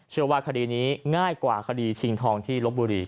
เชื่อว่าคดีนี้ง่ายกว่าคดีชิงทองที่ลบบุรี